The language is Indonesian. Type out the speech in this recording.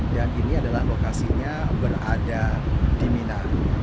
dan ini adalah lokasinya berada di mina